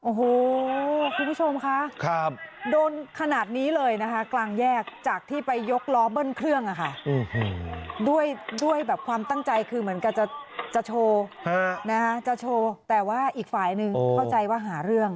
โอ้โหคุณผู้ชมค่ะโดนขนาดนี้เลยนะคะกลางแยกจากที่ไปยกล้อเบิ้ลเครื่องอะค่ะด้วยแบบความตั้งใจคือเหมือนกันจะโชว์จะโชว์แต่ว่าอีกฝ่ายหนึ่งเข้าใจว่าหาเรื่อง